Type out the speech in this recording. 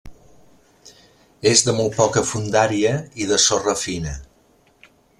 És de molt poca fondària i de sorra fina.